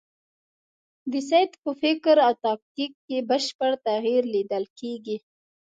د سید په فکر او تاکتیک کې بشپړ تغییر لیدل کېږي.